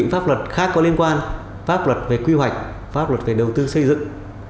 pháp luật khác có liên quan pháp luật về quy hoạch pháp luật về đầu tư xây dựng